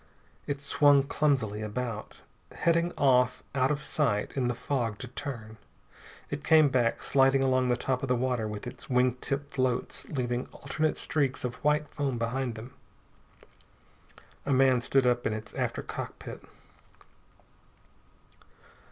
It swung clumsily about, heading off out of sight in the fog to turn. It came back, sliding along the top of the water with its wing tip floats leaving alternate streaks of white foam behind them. A man stood up in its after cockpit.